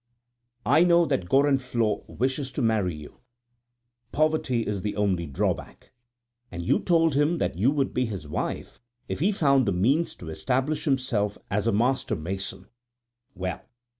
I know that Gorenflot wishes to marry you, poverty is the only drawback, and you told him that you would be his wife if he found the means to establish himself as a master mason. Well!